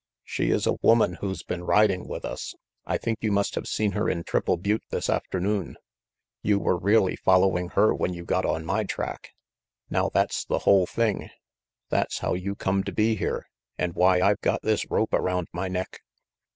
"She is a woman who's been riding with us. I think you must have seen her in Triple Butte this afternoon. You were really following her when you got on my track. Now that's the whole thing. That's how you come to be here, and why I've got this rope around my neck.